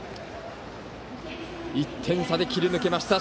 １点差で切り抜けました。